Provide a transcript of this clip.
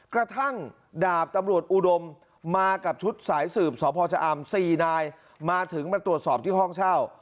กระทั่งดาบตำรวจอุดมมากับชุดสายสืบสพชะอำ๔นายมาถึงมาตรวจสอบที่ห้องเช่า